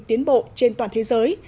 tiến bộ trên toàn thế giới